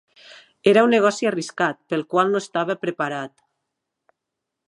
Era un negoci arriscat, pel qual no estava preparat.